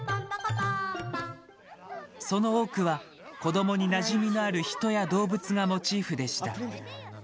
その多くは子どもになじみのある人や動物がモチーフでした。